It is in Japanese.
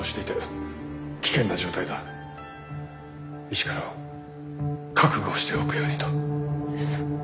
医師からは覚悟しておくようにと。